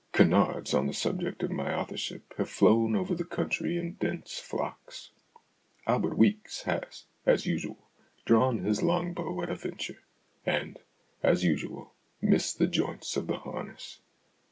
Canards on the subject of my authorship have flown over the country in dense flocks. Albert Weeks has, as usual, drawn his long bow at a venture ; and, as usual, missed the joints of the harness.